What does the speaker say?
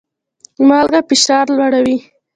مالګه فشار لوړوي